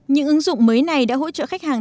những ứng dụng mới này đã hỗ trợ khách hàng